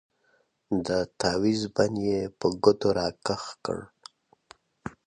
د تاويز بند يې په ګوتو راکښ کړ.